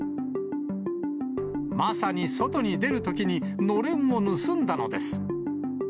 まさに外に出るときにのれんを盗んだのです。